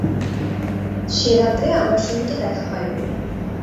সে-রাত্রে আমার সহিত দেখা হয় নাই।